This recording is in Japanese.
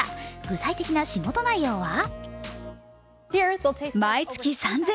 具体的な仕事内容は？